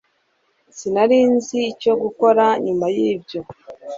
Sinari nzi icyo gukora nyuma yibyo